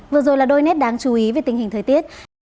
vừa rồi là đôi nét đáng chú ý về tình hình thời tiết